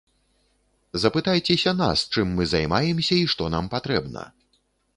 Запытайцеся нас, чым мы займаемся і што нам патрэбна.